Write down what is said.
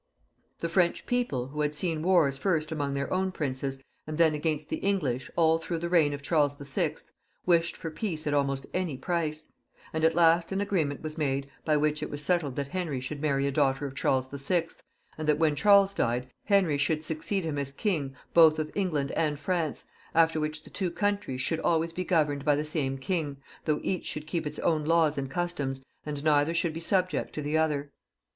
The French people who had seen wars first among their owii princes, and then against the English all through the reign of Charles VI., wished for peace at almost any price, and at last an agreement was made by which it was settled that Henry should marry a daughter of Charles VI., and that when Charles died, Henry should succeed him as king both of England and France, after which the two countries should always be governed by the same king, though each should keep its own laws and customs, and neither should be subject to the other.